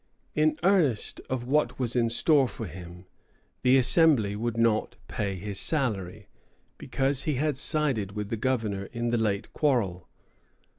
In earnest of what was in store for him, the Assembly would not pay his salary, because he had sided with the governor in the late quarrel.